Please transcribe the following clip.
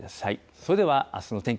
それではあすの天気